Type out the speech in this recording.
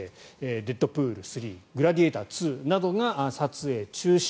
「デッドプール３」「グラディエーター２」などが撮影中止。